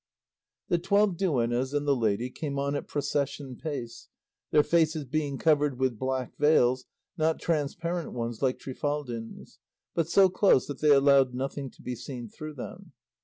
The twelve duennas and the lady came on at procession pace, their faces being covered with black veils, not transparent ones like Trifaldin's, but so close that they allowed nothing to be seen through them.